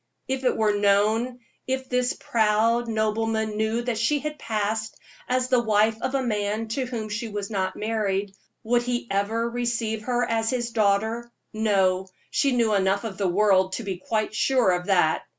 If it were known if this proud nobleman knew that she had passed as the wife of a man to whom she was not married, would he ever receive her as his daughter? No; she knew enough of the world to be quite sure of that.